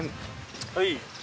はい。